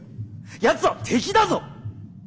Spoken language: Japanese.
やつは敵だぞ！